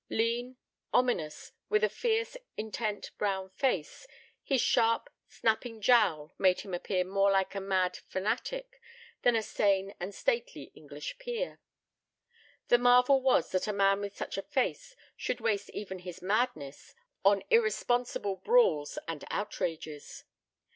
Lean, ominous, with a fierce, intent, brown face, his sharp, snapping jowl made him appear more like a mad fanatic than a sane and stately English peer. The marvel was that a man with such a face should waste even his madness on irresponsible brawls and outrages.